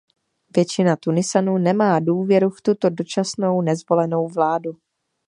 Většina Tunisanů nemá důvěru v tuto dočasnou, nezvolenou vládu.